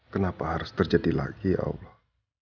kenapa harus terjadi lagi ya allah